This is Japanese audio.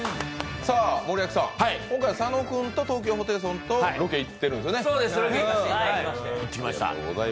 今回、佐野君と東京ホテイソンとロケに行ってるんですよね。